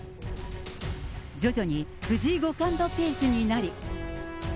徐々に藤井五冠のペースになり。